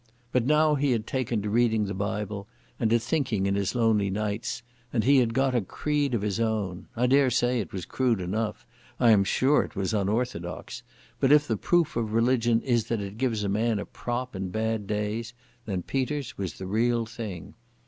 But now he had taken to reading the Bible and to thinking in his lonely nights, and he had got a creed of his own. I dare say it was crude enough, I am sure it was unorthodox; but if the proof of religion is that it gives a man a prop in bad days, then Peter's was the real thing.